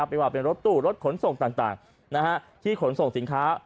ไม่ว่าเป็นรถตู้รถขนส่งต่างที่ขนส่งสินค้า